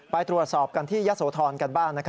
ไปตรวจสอบกันที่ยะโสธรกันบ้าง